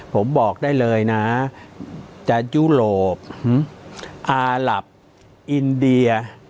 ผมบอกได้เลยนะจะยุโรปอาหลับอินเดีย